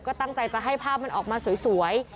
ก็ตั้งใจจะให้ภาพมันออกมาสวย